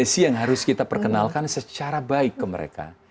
nah ini desi yang harus kita perkenalkan secara baik ke mereka